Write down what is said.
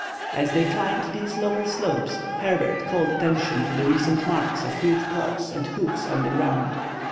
As they climbed these lower slopes, Herbert called attention to the recent marks of huge paws and hoofs on the ground.